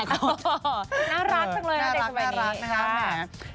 น่ารักใจสมัยนี้